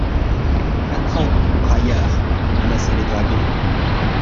«Attrape, braillard !» menaçaient les dragons.